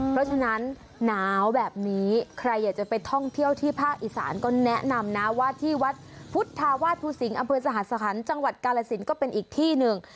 เพราะฉะนั้นหนาวแบบนี้ใครอยากจะไปท่องเที่ยวที่ภาคอีสานก็แนะนำนะว่าที่วัดพุทธาวาสภูสิงศ์อำเภอสหสคัญจังหวัดกาลสินก็เป็นอีกที่หนึ่ง